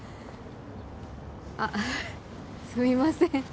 あっ、すみません。